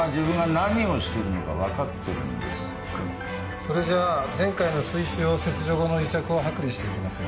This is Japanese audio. それじゃ前回の膵腫瘍切除後の癒着を剥離していきますよ。